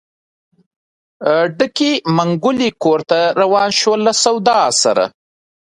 ډکې منګولې کور ته روان شول له سودا سره.